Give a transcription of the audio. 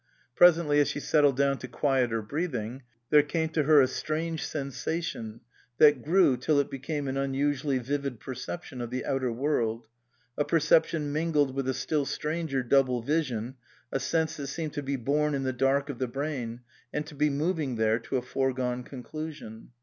Presently, as she settled down to quieter breathing, there came to her a strange sensa tion, that grew till it became an unusually vivid perception of the outer world ; a perception mingled with a still stranger double vision, a sense that seemed to be born in the dark of the brain and to be moving there to a foregone conclusion.